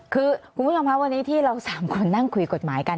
คือคุณผู้ชมครับวันนี้ที่เรา๓คนนั่งคุยกฎหมายกัน